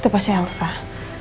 itu pasti yang lusah